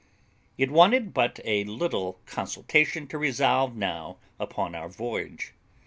It wanted but a little consultation to resolve now upon our voyage.